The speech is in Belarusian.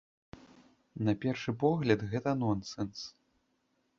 На першы погляд, гэта нонсэнс.